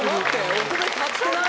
お米立ってない？」